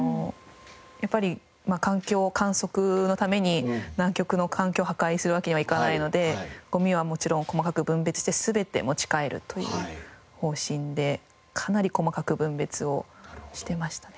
やっぱり環境観測のために南極の環境を破壊するわけにはいかないのでゴミはもちろん細かく分別して全て持ち帰るという方針でかなり細かく分別をしてましたね。